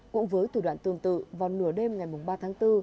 cũng với thủ đoạn tương tự vào nửa đêm ngày ba tháng bốn